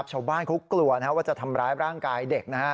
ชาวบ้านเขากลัวว่าจะทำร้ายร่างกายเด็กนะฮะ